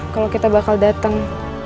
kalau kita bakal dateng